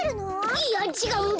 いやちがうんだ！